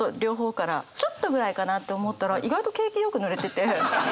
ちょっとぐらいかなって思ったら意外と景気よくぬれてて。